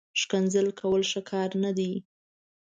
ښکنځل کول، ښه کار نه دئ